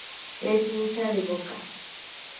Es hincha de Boca.